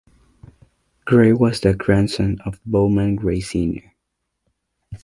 Gray was the grandson of Bowman Gray Sr.